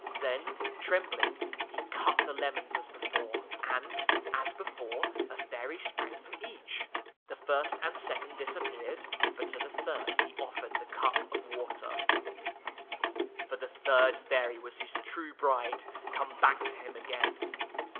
Then, trembling, he cut the lemons as before, and, as before, a fairy sprang from each. The first and second disappeared, but to the third he offered the cup of water —[ 9 ] FAVORITE FAIRY TALES RETOLD for the third fairy was his true bride, come back to him again.